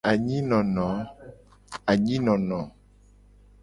Anyi nono.